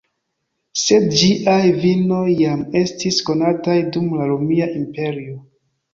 Sed ĝiaj vinoj jam estis konataj dum la Romia Imperio.